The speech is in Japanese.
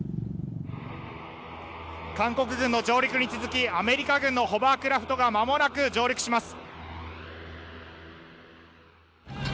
韓国軍の上陸に続きアメリカ軍のホバークラフトがまもなく上陸します。